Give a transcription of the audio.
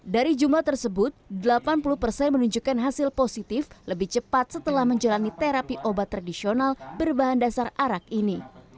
dari jumlah tersebut delapan puluh persen menunjukkan hasil positif lebih cepat setelah menjalani terapi obat tradisional berbahan dasar arak ini